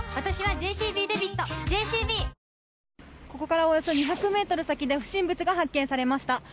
ここからおよそ２００ｍ先で不審物が発見されました。